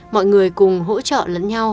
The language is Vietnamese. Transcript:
mọi người cùng hỗ trợ lẫn nhau